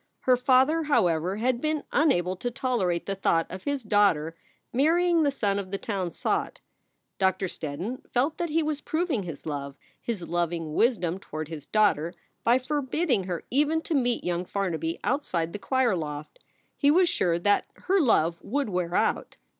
Her father, however, had been unable to tolerate the thought of his daughter marrying the son of the town sot. Doctor Steddon felt that he was proving his love, his loving wisdom toward his daughter, by forbidding her even to meet young Farnaby outside the choir loft. He was sure that her love would wear out.